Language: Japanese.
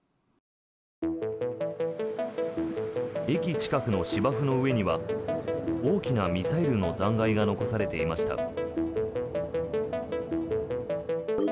駅近くの芝生の上には大きなミサイルの残骸が残されていました。